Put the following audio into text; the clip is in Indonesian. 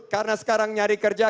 karena sekarang mencari kerja